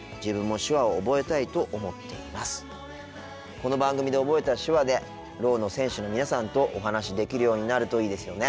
この番組で覚えた手話でろうの選手の皆さんとお話しできるようになるといいですよね。